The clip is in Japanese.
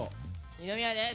二宮です。